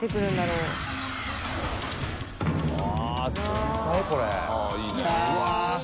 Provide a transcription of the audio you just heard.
うわ。